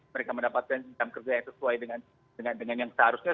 mereka mendapatkan kursi yang sesuai dengan yang seharusnya